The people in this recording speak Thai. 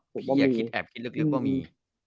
พี่อย่าคิดแอบคิดลึกว่ามี